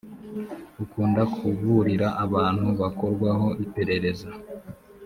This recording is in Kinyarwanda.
akunda kuburira abantu bakorwaho iperereza